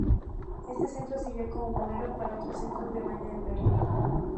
Este centro sirvió como modelo para otros centros de baño en Berlín.